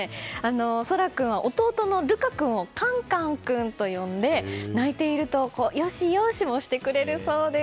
蒼空君は、弟の瑠海君をカンカン君と呼んで泣いているとよしよしもしてくれるそうです。